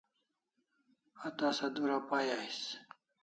A tasa dura pay ais